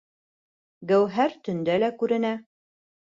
Гәүһәр төндә лә күренә.